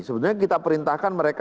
sebetulnya kita perintahkan mereka